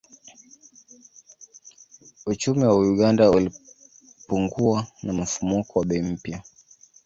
Uchumi wa Uganda ulipungua na mfumuko wa bei pia